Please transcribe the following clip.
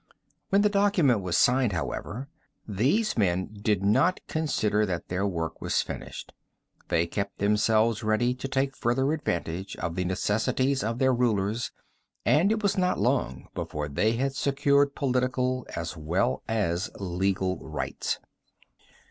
When the document was signed, however, these men did not consider that their work was finished. They kept themselves ready to take further advantage of the necessities of their rulers and it was not long before they had secured political as well as legal rights.